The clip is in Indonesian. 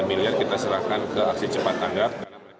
tiga miliar kita serahkan ke aksi cepat tangkap